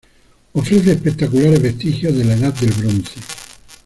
Ofrece espectaculares vestigios de la Edad del Bronce.